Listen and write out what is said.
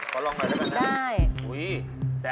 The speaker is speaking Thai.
ขอบคุณค่ะ